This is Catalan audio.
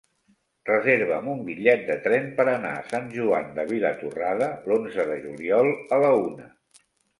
Reserva'm un bitllet de tren per anar a Sant Joan de Vilatorrada l'onze de juliol a la una.